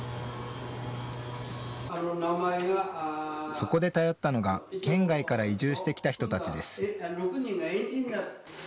そこで頼ったのが県外から移住してきた人たちです。